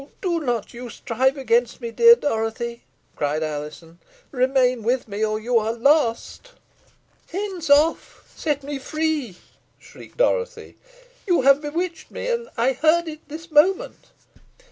do not you strive against me, dear Dorothy," cried Alizon. "Remain with me, or you are lost." "Hence! off! set me free!" shrieked Dorothy; "you have bewitched me. I heard it this moment."